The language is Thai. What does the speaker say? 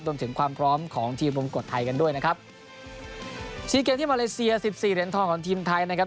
รวมถึงความพร้อมของทีมรุมกฎไทยกันด้วยนะครับสี่เกมที่มาเลเซียสิบสี่เหรียญทองของทีมไทยนะครับ